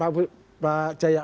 saya setuju dengan pak jaya